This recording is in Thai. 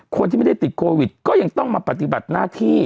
คนที่ไม่ได้ติดโควิดก็ยังต้องมาปฏิบัติหน้าที่